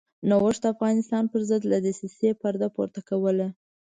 نوښت د افغانستان پرضد له دسیسې پرده پورته کوله.